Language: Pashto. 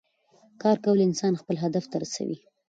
کار کول انسان خپل هدف ته رسوي